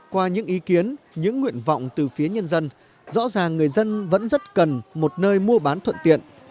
qua những ý kiến những nguyện vọng từ phía nhân dân rõ ràng người dân vẫn rất cần một nơi mua bán thuận tiện